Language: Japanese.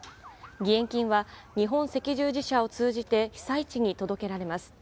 義援金は日本赤十字社を通じて被災地に届けられます。